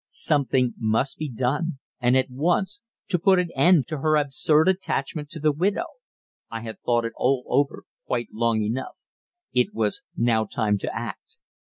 Something must be done, and at once, to put an end to her absurd attachment to the widow I had thought it all over quite long enough; it was now time to act.